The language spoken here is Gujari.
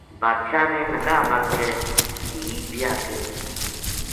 بادشاہ نے نکاح بدھ کے دھی بیاہ کی دِتی